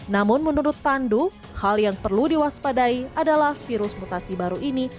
namun menurut pandu hal yang perlu diwaspadai adalah virus mutasi baru ini